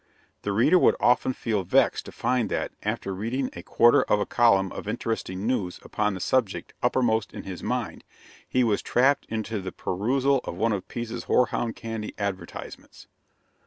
The reader would often feel vexed to find that, after reading a quarter of a column of interesting news upon the subject uppermost in his mind, he was trapped into the perusal of one of Pease's hoarhound candy advertisements.